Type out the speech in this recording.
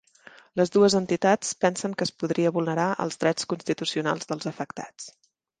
Les dues entitats pensen que es podria vulnerar els drets constitucionals dels afectats